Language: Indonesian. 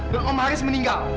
dan om haris meninggal